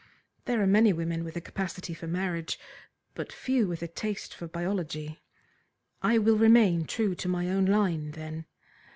There are many women with a capacity for marriage, but few with a taste for biology. I will remain true to my own line, then.